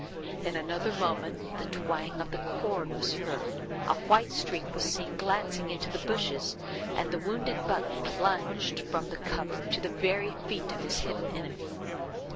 In another moment the twang of the cord was heard, a white streak was seen glancing into the bushes, and the wounded buck plunged from the cover, to the very feet of his hidden enemy.